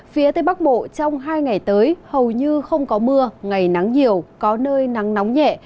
phía tây bắc bộ trong hai ngày tới hầu như không có mưa ngày nắng nhiều có nơi nắng nóng nhẹ